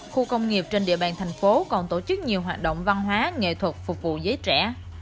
khu công nghiệp trên địa bàn thành phố còn tổ chức nhiều hoạt động văn hóa nghệ thuật phục vụ giới trẻ